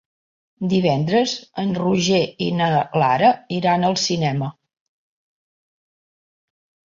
Divendres en Roger i na Lara iran al cinema.